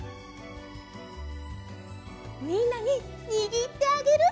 みんなににぎってあげるの！